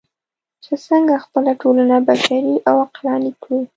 چې څنګه خپله ټولنه بشري او عقلاني کړو.